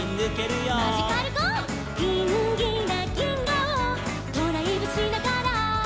「ギンギラぎんがをドライブしながら」